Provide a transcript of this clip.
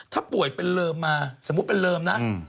ถ้าป่วยเป็นเลิมมาสมมุติเป็นเริมนะ